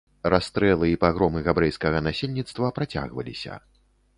Расстрэлы і пагромы габрэйскага насельніцтва працягваліся.